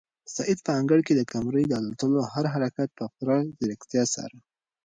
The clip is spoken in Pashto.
سعید په انګړ کې د قمرۍ د الوتلو هر حرکت په پوره ځیرکتیا څاره.